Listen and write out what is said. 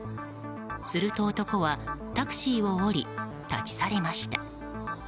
すると、男はタクシーを降り立ち去りました。